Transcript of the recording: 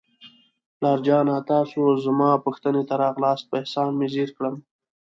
پلار جانه، تاسو زما پوښتنې ته راغلاست، په احسان مې زیر کړم.